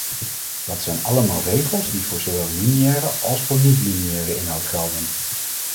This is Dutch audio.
Dat zijn allemaal regels die voor zowel lineaire als voor niet-lineaire inhoud gelden.